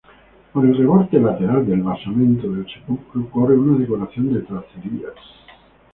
Por el reborde lateral del basamento del sepulcro corre una decoración de tracerías.